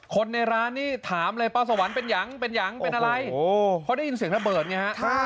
คนในร้านนี้ถามเลยป้าสวรรค์เป็นยังเป็นยังเป็นอะไรเพราะได้ยินเสียงระเบิดไงฮะ